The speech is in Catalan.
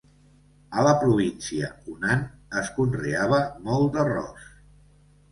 A la província Hunan es conreava molt d'arròs.